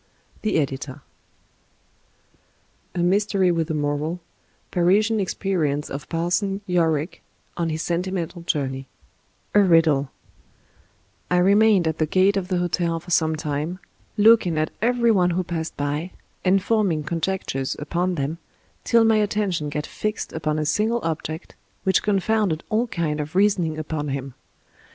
— ^Thb Editor. 203 Laurence Sterne A Mystery with a Moral Parisian Experience of Parson Yorick, on his '^Sentimental Journey" A RIDDLE T REMAINED at the gate of the hotel for some time, looking at everyone who passed by, and forming con jectures upon them, till my attention got fixed upon a single object, which confounded all kind of reasoning upon him.